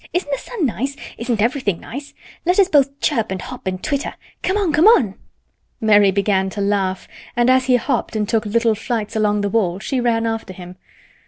Isn't the sun nice? Isn't everything nice? Let us both chirp and hop and twitter. Come on! Come on!" Mary began to laugh, and as he hopped and took little flights along the wall she ran after him.